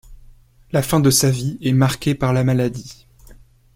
La fin de sa vie est marquée par la maladie.